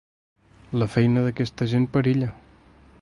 La feina d’aquesta gent perilla.